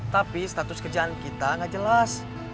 tapi status kerjaan kita gak jelas